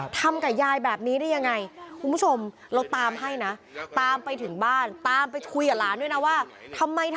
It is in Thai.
ทำกับยายแบบนี้ได้ยังไง